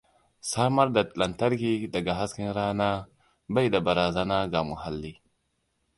Samar da lantarki daga hasken rana bai da barazana ga muhalli.